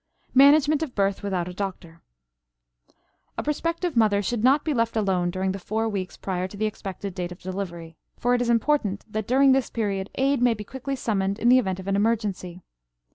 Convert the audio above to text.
MANAGEMENT OF BIRTH WITHOUT A DOCTOR. A prospective mother should not be left alone during the four weeks prior to the expected date of delivery, for it is important that during this period aid may be quickly summoned in the event of an emergency.